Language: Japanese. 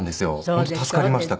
本当助かりました